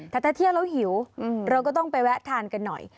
แต่ถ้าเที่ยวแล้วหิวเราก็ต้องไปแวะทานกันหน่อย